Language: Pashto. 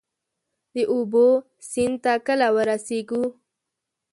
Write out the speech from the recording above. د اوبو، سیند ته کله ورسیږو؟